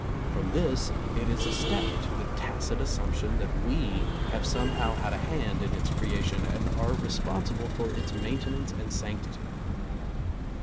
From this it is a step to the tacit assumption that we have somehow had a hand in its creation and are responsible for its maintenance and sanctity.